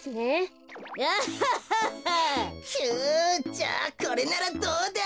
じゃあこれならどうだ？